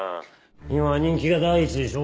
今は人気が第一でしょう？